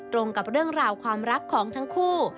ตรงกับเรื่องราวความรักของทั้งคู่